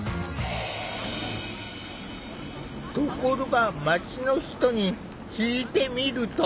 ところが街の人に聞いてみると。